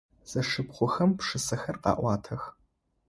Зэшыпхъухэм пшысэхэр къаӏуатэх.